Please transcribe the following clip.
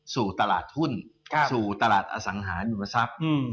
สู่ตลาดทุนสู่ตลาดอสังหารยุมทรัพย์